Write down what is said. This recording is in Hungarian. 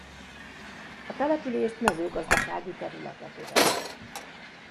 A települést mezőgazdasági területek övezik.